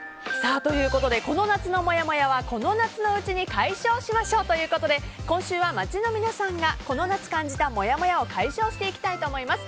この夏のもやもやはこの夏のうちに解消しましょうということで今週は街の皆さんがこの夏感じたもやもやを解消していきたいと思います。